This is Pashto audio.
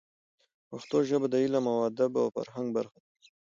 پښتو ژبه د علم، ادب او فرهنګ برخه ده.